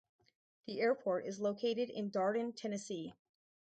The airport is located in Darden, Tennessee.